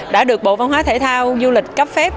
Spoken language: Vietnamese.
đã được bộ văn hóa thể thao du lịch cấp phép